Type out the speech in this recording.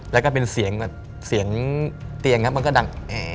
และก็เป็นเสียงเตียงมันก็ดัง